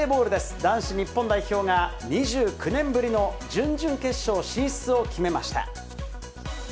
男子日本代表が２９年ぶりの準々決勝進出を決めました。